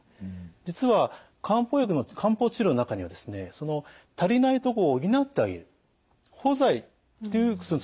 実は漢方治療の中にはですね足りないところを補ってあげる補剤という薬の使い方があるんです。